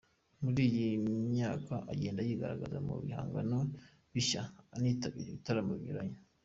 Muri iyi myaka agenda yigaragaza mu bihangano bishya, anitabira ibitaramo binyuranye.